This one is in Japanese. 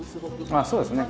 あっそうですね。